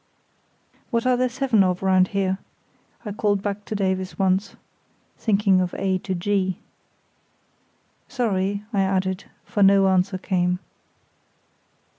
"What are there seven of round here?" I called back to Davies once (thinking of A to G). "Sorry," I added, for no answer came.